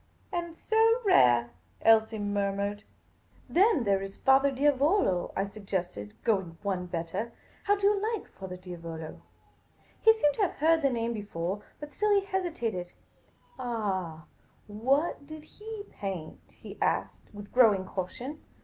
" And so rare !" Elsie murmured. "Then there is Era Diavolo ?" I suggested, going one better. " How do you like Fra Diavolo ?" He seemed to have heard the name before, but still he hesitated. "Ah — what did he paint?" he asked, with growing caution.